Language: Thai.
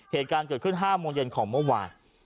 เหตุการณ์เกิดขึ้น๕โมงเย็นของเมื่อวาน